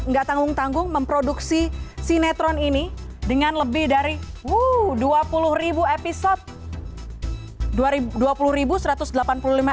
nggak tanggung tanggung memproduksi sinetron ini dengan lebih dari wow dua puluh ribu episode